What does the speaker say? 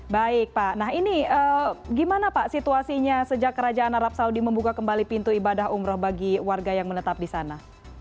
baik pak nah ini gimana pak situasinya sejak kerajaan arab saudi membuka kembali pintu ibadah umroh bagi warga yang menetap di sana